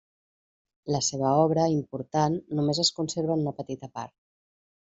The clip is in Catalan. La seva obra, important, només es conserva en una petita part.